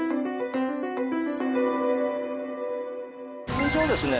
通常ですね